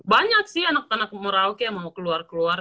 banyak sih anak anak merauke yang mau keluar keluar